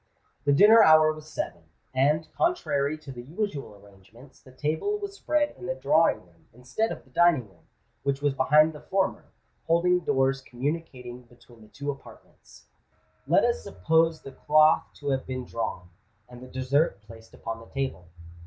The dinner hour was seven; and, contrary to the usual arrangements, the table was spread in the drawing room, instead of the dining room, which was behind the former, folding doors communicating between the two apartments. Let us suppose the cloth to have been drawn, and the dessert placed upon the table.